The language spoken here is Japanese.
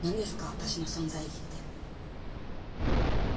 私の存在意義って。